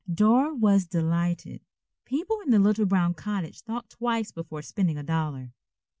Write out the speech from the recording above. Dora was delighted. People in the little brown cottage thought twice before spending a dollar.